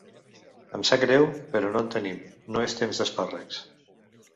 Em sap greu, però no en tenim, no és temps d'espàrrecs.